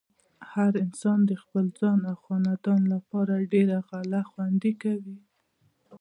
هر انسان د خپل ځان او خاندان لپاره ډېره غله خوندې کوي۔